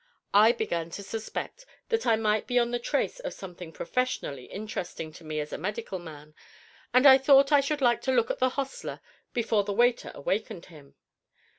I began to suspect that I might be on the trace of something professionally interesting to me as a medical man, and I thought I should like to look at the hostler before the waiter awakened him.